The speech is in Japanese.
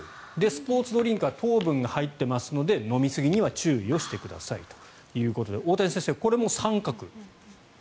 スポーツドリンクは糖分が入っていますので飲みすぎには注意をしてくださいということで大谷先生、これも△？